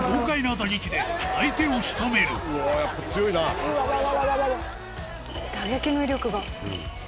「打撃の威力が」